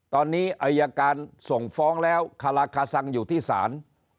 ตอนนี้อายการส่งฟ้องแล้วคาราคาซังอยู่ที่ศาล